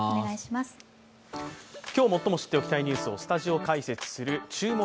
今日、最も知っておきたいニュースをスタジオ解説する「注目！